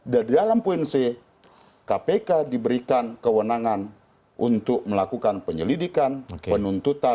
dan di dalam poin c kpk diberikan kewenangan untuk melakukan penyelidikan penuntutan dan ya